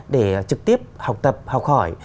để trực tiếp học tập học hỏi